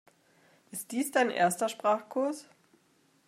Ist dies dein erster Sprachkurs?